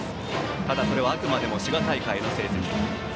ただ、あくまでも滋賀大会の成績。